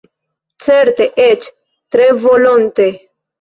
Certe, eĉ tre volonte.